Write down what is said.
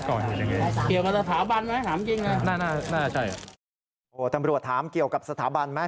โอ้โฮตำรวจถามเกี่ยวกับสถาบันไหม